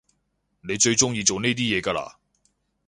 你最中意做呢啲嘢㗎啦？